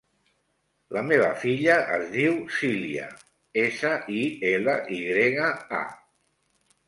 La meva filla es diu Silya: essa, i, ela, i grega, a.